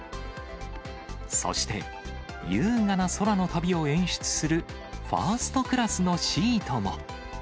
そして、優雅な空の旅を演出するファーストクラスのシートも。